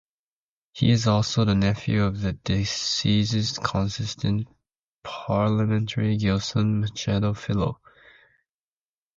He is also the nephew of the deceased constituent parliamentary Gilson Machado Filho.